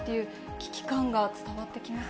危機感が伝わってきます